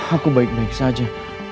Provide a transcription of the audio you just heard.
aku baik baik saja